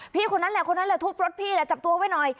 คนนั้นแหละคนนั้นแหละทุบรถพี่แหละจับตัวไว้หน่อย